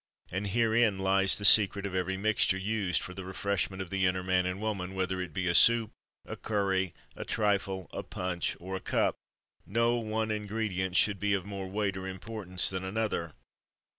And herein lies the secret of every mixture used for the refreshment of the inner man and woman; whether it be a soup, a curry, a trifle, a punch, or a cup no one ingredient should be of more weight or importance than another.